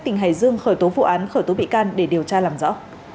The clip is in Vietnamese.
tỉnh hải dương khởi tố vụ án khởi tố bị can để điều tra làm rõ